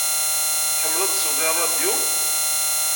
Tḥemmleḍ ad tesleḍ i ṛṛadyu?